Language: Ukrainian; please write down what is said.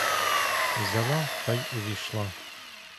Взяла та й увійшла.